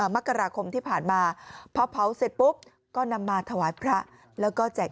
มกราคมที่ผ่านมาพอเผาเสร็จปุ๊บก็นำมาถวายพระแล้วก็แจก